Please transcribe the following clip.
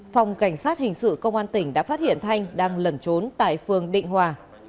phòng cảnh sát hình sự công an tỉnh đã phát hiện thanh đang lẩn trốn tại phường định hòa